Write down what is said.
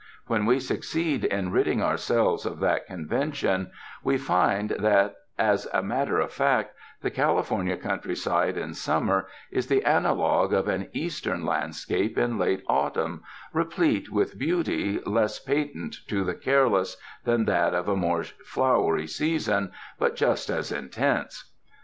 When we succeed in ridding ourselves of that convention, we find that as a matter of fact the California country side in summer is the analogue of an Eastern land scape in late autumn — replete with beauty less pat ent to the careless than that of a more flowery season, but just as intense.